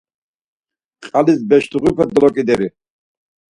Aliz beşluğepe doloǩideri